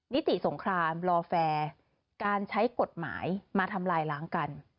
นิติสงครามรอแฟร์การใช้กฎหมายมาทำลายล้างกัน